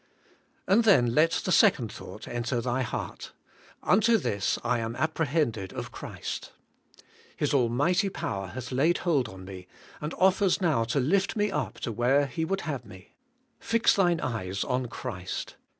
And then let the second thought enter thy heart: Unto this I am apprehended of Christ. His almighty power hath laid hold on me, and offers now to lift me up to where He would have me. Fix thine eyes on Christ.